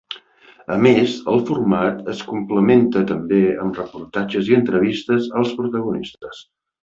A més, el format es complementa també amb reportatges i entrevistes als protagonistes.